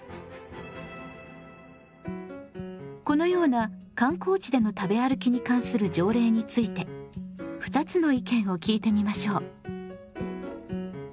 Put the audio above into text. このような観光地での食べ歩きに関する条例について２つの意見を聞いてみましょう。